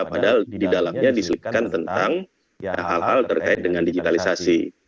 padahal di dalamnya diselipkan tentang hal hal terkait dengan digitalisasi